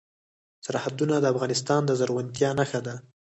سرحدونه د افغانستان د زرغونتیا نښه ده.